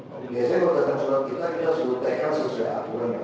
biasanya kalau datang surat kita kita sudah tekan sesuai akunnya